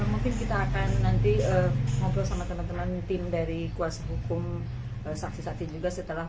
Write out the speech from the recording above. mungkin kita akan nanti ngobrol sama teman teman tim dari kuasa hukum saksi saksi juga setelah